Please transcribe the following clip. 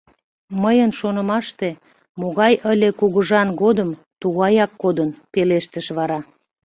— Мыйын шонымаште, могай ыле кугыжан годым, тугаяк кодын, — пелештыш вара.